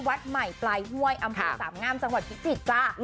วัดใหม่ปลายห่วยอำพลิขสามงามจังหวัดพิตริศจ๊ะ